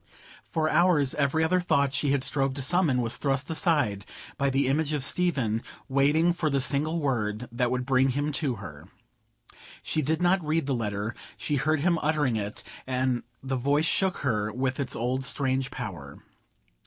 For hours every other thought that she strove to summon was thrust aside by the image of Stephen waiting for the single word that would bring him to her. She did not read the letter: she heard him uttering it, and the voice shook her with its old strange power.